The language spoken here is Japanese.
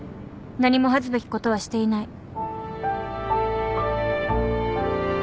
何も恥ずべきことはしていない。